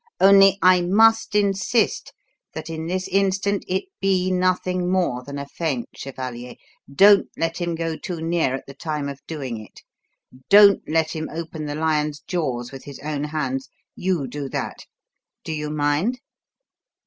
Only, I must insist that in this instance it be nothing more than a feint, chevalier. Don't let him go too near at the time of doing it. Don't let him open the lion's jaws with his own hands. You do that. Do you mind?"